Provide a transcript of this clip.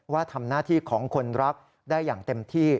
ว่าทำหน้าที่ของคนรักได้อย่างเต็มที่